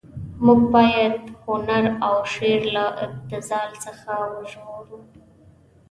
موږ باید هنر او شعر له ابتذال څخه وژغورو.